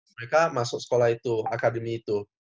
mereka masuk sekolah itu akademi itu